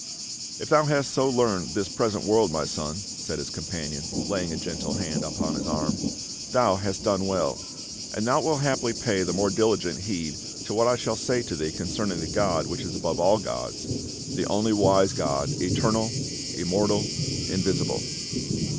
" If thou hast so learned this present world, my son," said his companion, laying a gentle hand upon his arm, "thou hast done well; and thou wilt haply pay the more diligent heed to what I shall say to thee cou' 336 PA UL. cerning the God which is above all gods — the only wise God, eternal, immortal, invisible."